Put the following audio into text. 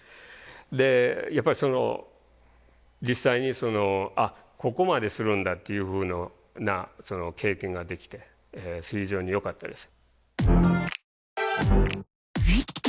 でやっぱりその実際にここまでするんだっていうふうな経験ができて非常によかったです。